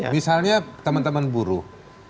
misalnya teman teman buruh